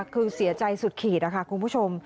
คือเสียใจสุดขีดนะคะคุณผู้ชม